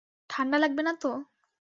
ঠাণ্ডা লাগবে না তো?